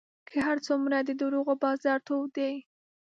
که هر څومره د دروغو بازار تود دی